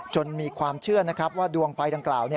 จนมีความเชื่อนะครับว่าดวงไฟดังกล่าว